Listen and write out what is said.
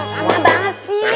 lama banget sih